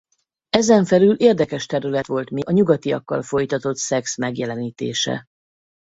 Ezen felül érdekes terület volt még a nyugatiakkal folytatott szex megjelenítése.